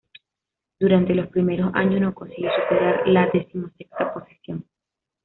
Durante los primeros años no consiguió superar la decimosexta posición.